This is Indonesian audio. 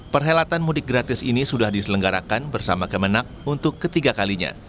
perhelatan mudik gratis ini sudah diselenggarakan bersama kemenang untuk ketiga kalinya